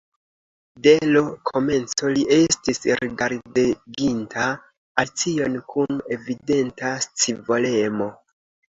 De l' komenco li estis rigardeginta Alicion kun evidenta scivolemo.